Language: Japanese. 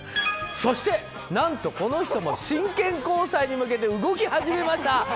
そして、何とこの人も真剣交際に向けて動き出しました。